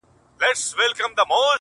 • اوس یې تر پاڼو بلبلکي په ټولۍ نه راځي,